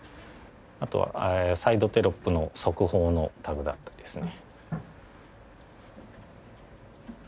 あとはサイドテロップの速報のタブだったりですね。